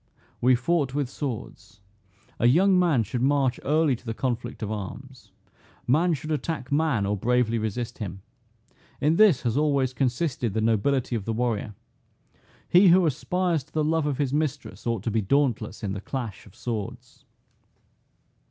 "We fought with swords. A young man should march early to the conflict of arms. Man should attack man, or bravely resist him. In this hath always consisted the nobility of the warrior. He who aspires to the love of his mistress, ought to be dauntless in the clash of swords."